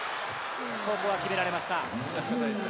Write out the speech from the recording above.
ここは決められました。